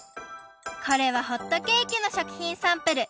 これはホットケーキの食品サンプル。